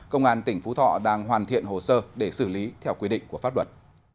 công an tỉnh phú thọ đang hoàn thiện hồ sơ để xử lý theo quy định của pháp luật